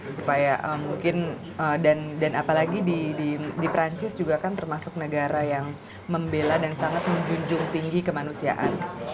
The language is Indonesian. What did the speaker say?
supaya mungkin dan apalagi di perancis juga kan termasuk negara yang membela dan sangat menjunjung tinggi kemanusiaan